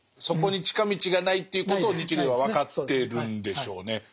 そこに近道がないということを日蓮は分かってるんでしょうね。